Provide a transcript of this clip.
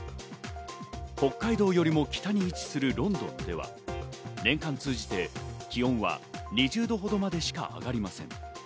北海道よりも北に位置するロンドンでは、年間通じて気温は２０度ほどまでしか上がりません。